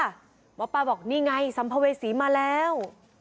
หมอปลาบอกนี่ไงสัมภเวษีมาแล้ว